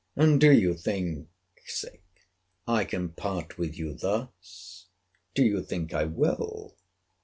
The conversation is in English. And do you think I can part with you thus?—Do you think I will.